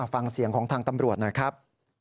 ฟังเสียงของทางตำรวจหน่อยครับ